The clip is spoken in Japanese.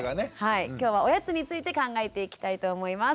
今日はおやつについて考えていきたいと思います。